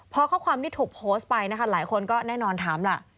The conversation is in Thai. พอข้อความนี้ถูกโพสต์ไปนะคะหลายคนก็แน่นอนถามล่ะ